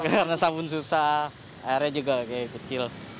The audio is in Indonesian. karena sabun susah airnya juga kecil